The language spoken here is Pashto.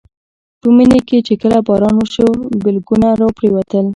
په مني کې چې کله باران وشو بلګونه راپرېوتل.